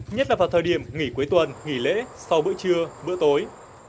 nhất là vào thời điểm nghỉ cuối tuần nghỉ lễ sau bữa trưa bữa tối